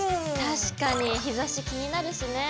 確かに日ざし気になるしね。